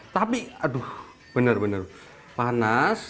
tapi aduh benar benar panas